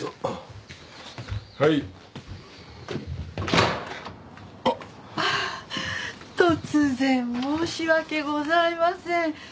あっ突然申し訳ございません。